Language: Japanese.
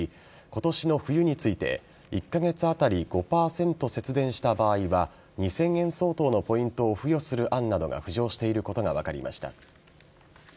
今年の冬について１カ月あたり５％節電した場合は２０００円相当のポイントを付与する案などが浮上していることが分かりました。